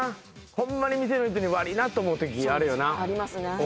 ホンマに店の人に悪いなと思うときあるよな。